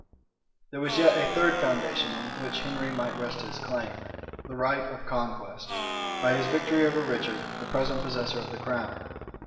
There was yet a third foundation on which Henry might rest his claim, the right of conquest, by his victory over Richard, the present possessor of the crown.